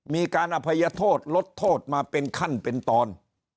มีการอภัยโทษลดโทษมาเป็นขั้นเป็นตอน